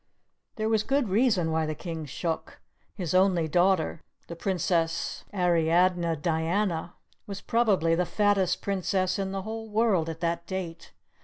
There was good reason why the King shook; his only daughter, the Princess Ariadne Diana, was probably the fattest princess in the whole world at that date.